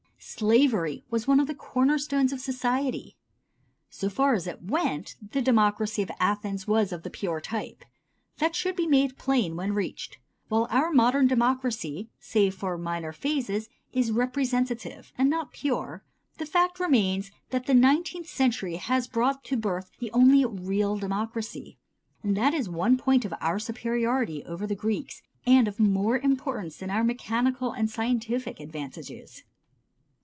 Slavery was one of the corner stones of society. So far as it went, the democracy of Athens was of the pure type. That should be made plain when reached. While our modern democracy, save for minor phases, is representative and not pure, the fact remains that the nineteenth century has brought to birth the only real democracy. And that is one point of our superiority over the Greeks and of more importance than our mechanical and scientific advantages.